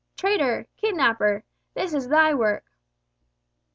traitor! kidnapper! This is thy work."